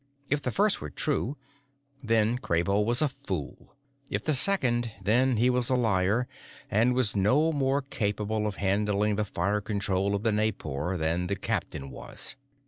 If the first were true, then Kraybo was a fool; if the second, then he was a liar, and was no more capable of handling the fire control of the Naipor than the captain was.